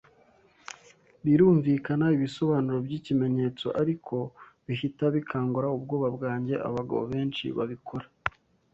birumvikana, ibisobanuro byikimenyetso, ariko bihita bikangura ubwoba bwanjye. Abagabo benshi babikora